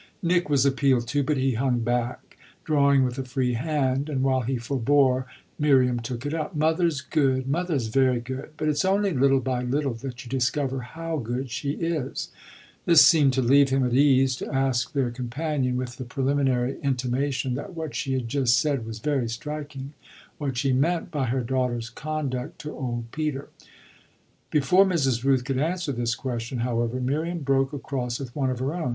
Nick was appealed to, but he hung back, drawing with a free hand, and while he forbore Miriam took it up. "Mother's good mother's very good; but it's only little by little that you discover how good she is." This seemed to leave him at ease to ask their companion, with the preliminary intimation that what she had just said was very striking, what she meant by her daughter's conduct to old Peter. Before Mrs. Rooth could answer this question, however, Miriam broke across with one of her own.